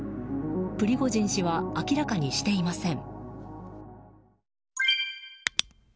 プリゴジン氏は明らかにしていません。